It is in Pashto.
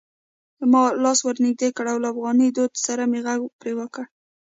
ما لاس ور نږدې کړ او له افغاني دود سره مې غږ پرې وکړ: